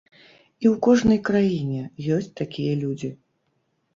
І ў кожнай краіне ёсць такія людзі.